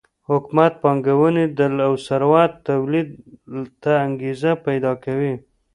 حکومت پانګونې او ثروت تولید ته انګېزه پیدا کوي.